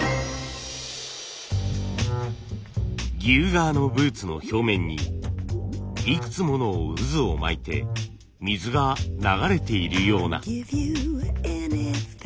牛革のブーツの表面にいくつもの渦を巻いて水が流れているような。